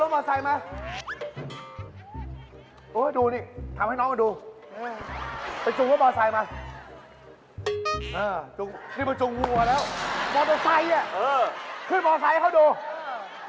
โอกาสว่าเขาเข้ามาอายุพัก